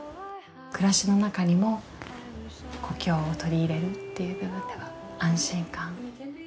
暮らしの中にも故郷を取り入れるっていう部分では安心感。